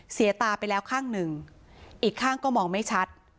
เสียตาไปแล้วข้างหนึ่งอีกข้างก็มองไม่ชัด